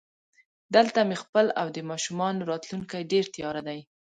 دلته مې خپل او د ماشومانو راتلونکی ډېر تیاره دی